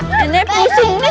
nenek pusing nen